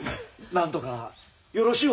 なんとかよろしゅう